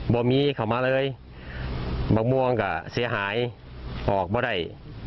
บ่มีเข้ามาเลยมะม่วงก็เสียหายออกมาได้